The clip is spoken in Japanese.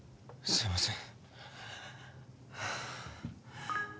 すいません。